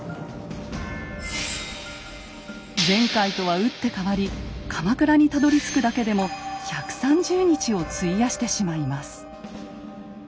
前回とは打って変わり鎌倉にたどりつくだけでも１３０日を費やしてしまいます。